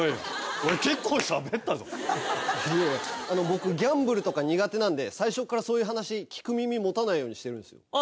あの僕ギャンブルとか苦手なんで最初っからそういう話聞く耳持たないようにしてるんですよ。